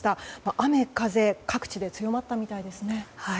雨風、各地で強まったみたいですね。